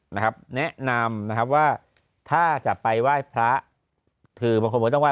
นะครับแนะนำนะครับว่าถ้าจากไปไหว้พละถือมันควรว่าว่า